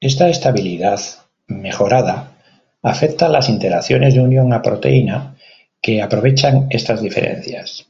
Esta estabilidad mejorada afecta las interacciones de unión a proteína que aprovechan estas diferencias.